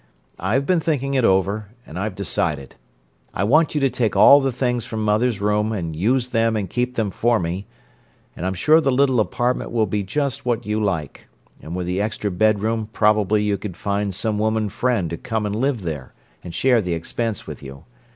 I've been thinking it over, and I've decided. I want you to take all the things from mother's room and use them and keep them for me, and I'm sure the little apartment will be just what you like; and with the extra bedroom probably you could find some woman friend to come and live there, and share the expense with you.